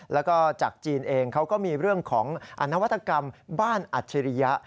แล้วก็จากจีนเองเขาก็มีเรื่องของนวัตกรรมบ้านอัจฉริยะ